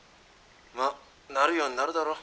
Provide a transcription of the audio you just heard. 「まあなるようになるだろ。